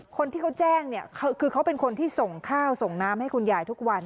คนที่เขาแจ้งเนี่ยคือเขาเป็นคนที่ส่งข้าวส่งน้ำให้คุณยายทุกวัน